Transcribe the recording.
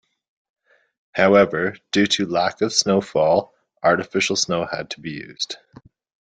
However, due to a lack of snowfall, artificial snow had to be used.